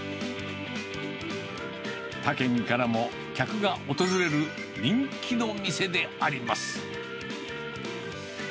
他県からも客が訪れる人気の店であります。